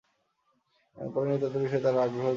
পরে নৃতত্ত্ব বিষয়ে তার আগ্রহ জাগে।